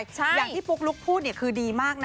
อย่างที่ปุ๊กลุ๊กพูดคือดีมากนะ